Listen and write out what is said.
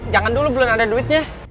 jangan dulu belum ada duitnya